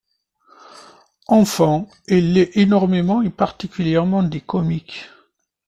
Enfant, il lit énormément et particulièrement des comics.